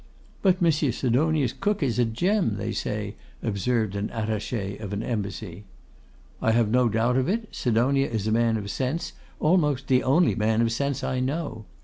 'But Monsieur Sidonia's cook is a gem, they say,' observed an Attaché of an embassy. 'I have no doubt of it; Sidonia is a man of sense, almost the only man of sense I know.